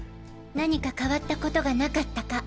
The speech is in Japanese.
何か変わったことがなかったか。